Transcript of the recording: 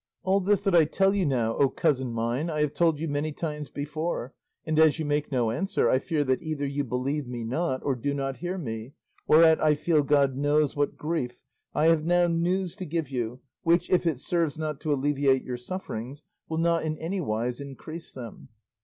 All this that I tell you now, O cousin mine, I have told you many times before, and as you make no answer, I fear that either you believe me not, or do not hear me, whereat I feel God knows what grief. I have now news to give you, which, if it serves not to alleviate your sufferings, will not in any wise increase them.